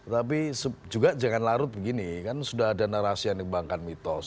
tapi juga jangan larut begini kan sudah ada narasi yang dikembangkan mitos